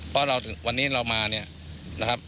เพราะเราวันนี้เรามาเนี่ยนะครับ